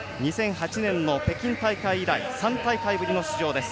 ２００８年の北京大会以来久しぶりの出場です。